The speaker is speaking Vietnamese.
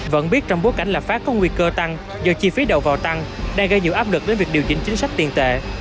vẫn biết trong bối cảnh lạc phát có nguy cơ tăng do chi phí đầu vào tăng đang gây nhiều áp lực đến việc điều chỉnh chính sách tiền tệ